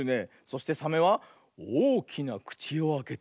そしてサメはおおきなくちをあけておよぐ。